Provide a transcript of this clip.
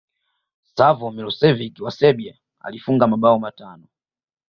savo milosevic wa serbia alifunga mabao matano